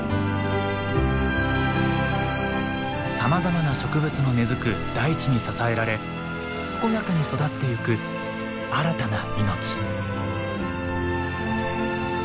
さまざまな植物の根づく大地に支えられ健やかに育ってゆく新たな命。